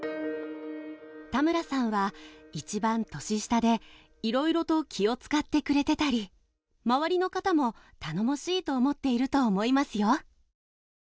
「田村さんは１番年下で色々と気を遣ってくれてたり周りの方も頼もしいと思っていると思いますよ」